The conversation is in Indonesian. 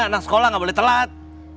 anak sekolah gak boleh telat